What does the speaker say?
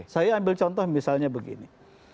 saya ambil contoh misalnya begini